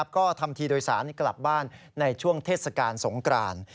ก็ทำทีโดยสารกลับบ้านในช่วงเทศกาลสงกราน